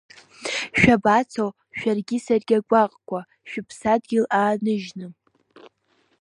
Шәабацо шәаргьы саргьы агәаҟқәа, шә-Ԥсадгьыл ааныжьны?!